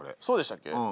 そうでしたっけ？